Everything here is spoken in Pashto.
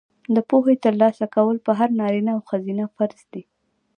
د پوهې ترلاسه کول په هر نارینه او ښځینه فرض دي.